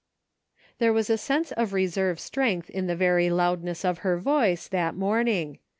There was a sense of reserve strength in the very loudness of her voice, that morning.